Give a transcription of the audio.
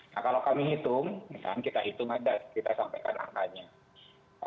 nah kalau kami hitung misalnya kita hitung aja kita sampaikan angkanya